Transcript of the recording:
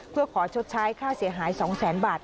เพื่อขอชดใช้ค่าเสียหาย๒แสนบาท